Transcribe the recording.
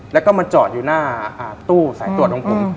แล้วก็มาจอดอยู่หน้าตู้สายตรวจของผม